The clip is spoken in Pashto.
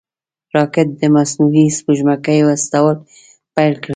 راکټ د مصنوعي سپوږمکیو استول پیل کړل